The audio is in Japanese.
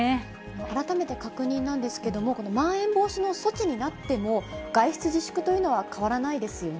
改めて確認なんですけれども、このまん延防止の措置になっても、外出自粛というのは変わらないですよね。